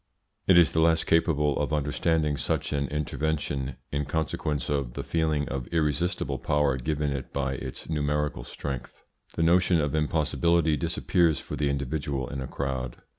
It is the less capable of understanding such an intervention, in consequence of the feeling of irresistible power given it by its numerical strength. The notion of impossibility disappears for the individual in a crowd.